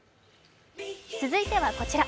続いてはこちら。